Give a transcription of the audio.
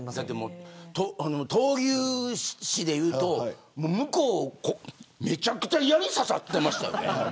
闘牛士で言うと向こう、めちゃくちゃやりが刺さっていましたね。